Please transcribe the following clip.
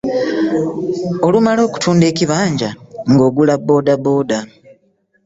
Olumala okutunda ekibanja ng'ogula boodabooda.